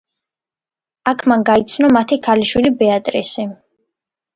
აქ მან გაიცნო მათი ქალიშვილი ბეატრისი.